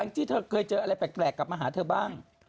ที่เธอเคยเจออะไรแปลกกลับมาหาเธอบ้าง